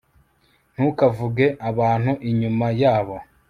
ntukavuge abantu inyuma yabo